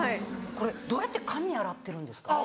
これどうやって髪洗ってるんですか？